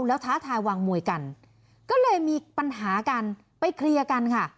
แล้วท้าทายวางมวยกันก็เลยมีปัญหากันไปเคลียร์กันค่ะ